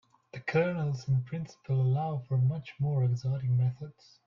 The kernels in principle allow for much more exotic methods.